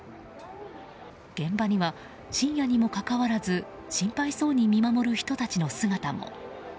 現場には深夜にもかかわらず心配そうに見守る人たちの姿も。